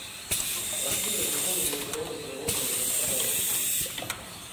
Расліны выконваюць ролю прыродных гаспадароў.